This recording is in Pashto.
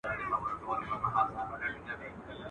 دنيا خپله لري، روی پر عالم لري.